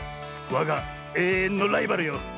わがえいえんのライバルよ。